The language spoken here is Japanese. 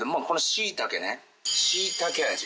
しいたけ味。